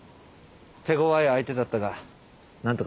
手ごわい相手だったが何とか倒したよ。